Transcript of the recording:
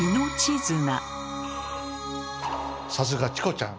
さすがチコちゃん。